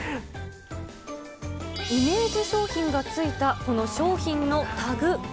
イメージ商品がついたこの商品のタグ。